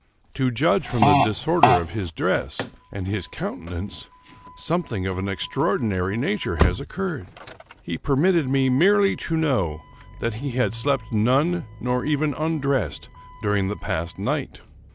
To judge from the disorder of his dress, and his countenance, something of an extraordinary nature has occurred. He permitted me merely to know that he had slept none, nor even undressed, during the past night.